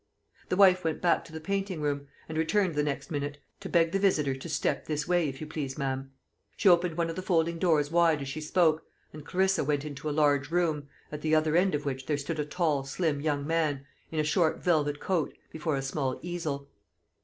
The wife went back to the painting room; and returned the next minute to beg the visitor to "step this way, if you please, ma'am." She opened one of the folding doors wide as she spoke, and Clarissa went into a large room, at the other end of which there stood a tall slim young man, in a short velvet coat, before a small easel.